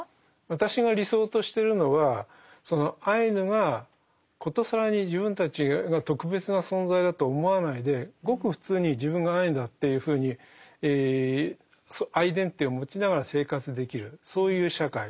私が理想としてるのはそのアイヌが殊更に自分たちが特別な存在だと思わないでごく普通に自分がアイヌだっていうふうにアイデンティティーを持ちながら生活できるそういう社会。